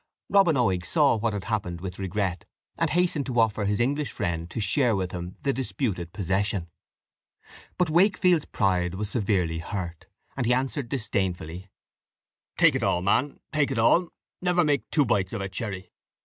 Robin Oig saw what had happened with regret, and hastened to offer to his English friend to share with him the disputed possession. But Wakefield's pride was severely hurt, and he answered disdainfully, "Take it all, man take it all; never make two bites of a cherry.